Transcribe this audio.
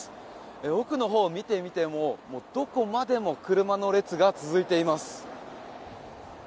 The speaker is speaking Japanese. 奥のほう見てみても、どこまでも車の列が続いています。